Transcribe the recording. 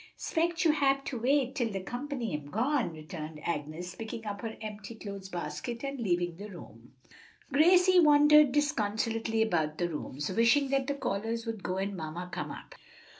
"'Spect you hab to wait till de comp'ny am gone," returned Agnes, picking up her empty clothes basket and leaving the room. Gracie wandered disconsolately about the rooms, wishing that the callers would go and mamma come up.